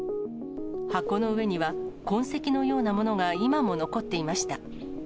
箱の上には、痕跡のようなものが今も残っていました。